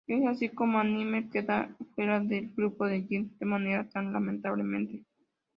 Es así como Amiel queda fuera del grupo Jeans de manera tan lamentable.